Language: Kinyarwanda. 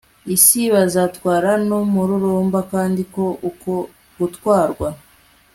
isi bazatwarwa numururumba kandi ko uko gutwarwa